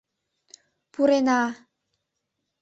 — Пурена-а-а!